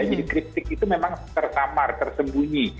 jadi kriptik itu memang tersamar tersembunyi